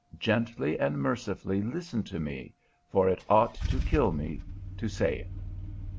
Gently and mercifully listen to me, for it ought to kill me to say it!"